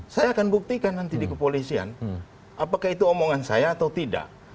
saya akan buktikan nanti di kepolisian apakah itu omongan saya atau tidak